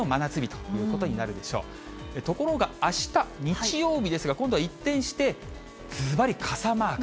ところがあした日曜日ですが、今度は一転して、ずばり傘マーク。